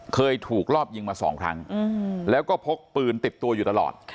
เคยถูกรอบยิงมาสองครั้งแล้วก็พกปืนติดตัวอยู่ตลอด